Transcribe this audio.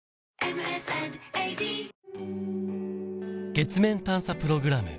月面探査プログラム